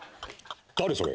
誰それ？